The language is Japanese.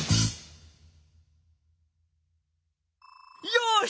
よし！